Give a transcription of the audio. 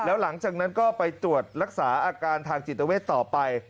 แล้วหลังจากนั้นก็ไปตรวจรักษาอาการทางจิตเวทต่อไป